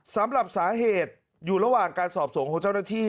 สำหรับสาเหตุอยู่ระหว่างการสอบสวนของเจ้าหน้าที่